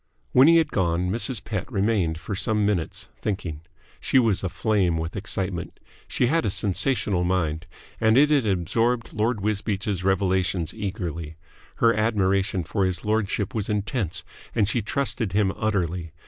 When he had gone, Mrs. Pett remained for some minutes, thinking. She was aflame with excitement. She had a sensational mind, and it had absorbed Lord Wisbeach's revelations eagerly. Her admiration for his lordship was intense, and she trusted him utterly.